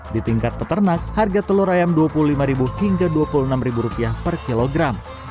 di tingkat peternak harga telur ayam rp dua puluh lima hingga rp dua puluh enam per kilogram